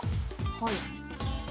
はい。